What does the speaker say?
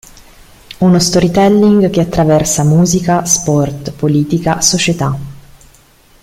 Uno storytelling che attraversa musica, sport, politica, società.